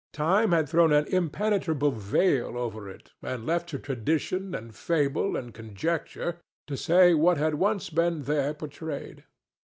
Time had thrown an impenetrable veil over it and left to tradition and fable and conjecture to say what had once been there portrayed.